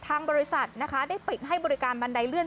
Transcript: ทางบริษัทนะคะได้ปิดให้บริการบันไดเลื่อน